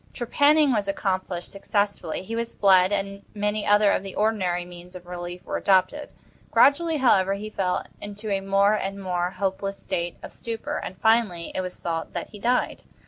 Trepanning was accomplished successfully. He was bled, and many other of the ordinary means of relief were adopted. Gradually, however, he fell into a more and more hopeless state of stupor, and, finally, it was thought that he died.